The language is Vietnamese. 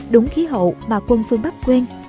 đúng khí hậu mà quân phương bắc quên